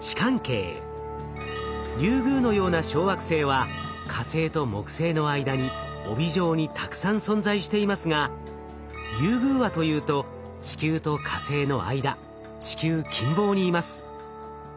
リュウグウのような小惑星は火星と木星の間に帯状にたくさん存在していますがリュウグウはというと地球と火星の間地球近傍にいます。